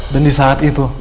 dan di saat itu